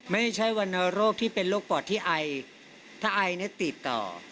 ไม่ใช่วรรณโรคที่เป็นโรคปอดที่ไอถ้าไอเนี่ยติดต่อ